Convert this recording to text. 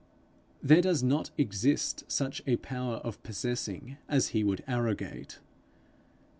There does not exist such a power of possessing as he would arrogate.